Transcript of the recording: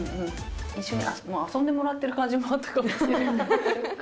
一緒に遊んでもらってる感じもあったかもしれない。